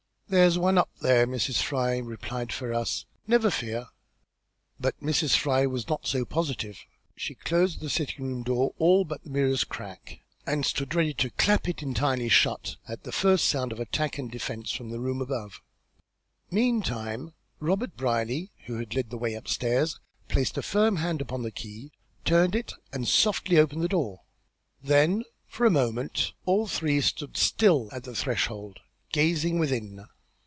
"There's no one up there, Mrs. Fry," replied Ferrars. "Never fear." But Mrs. Fry was not so positive. She closed the sitting room door, all but the merest crack, and stood ready to clap it entirely shut at the first sound of attack and defence from the room above. Meantime Robert Brierly, who had led the way upstairs, placed a firm hand upon the key, turned it and softly opened the door. Then, for a moment, all three stood still at the threshold, gazing within.